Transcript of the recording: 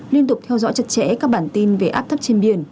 liên tục theo dõi chặt chẽ các bản tin về áp thấp trên biển